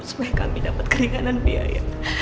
supaya kami dapat keringanan biaya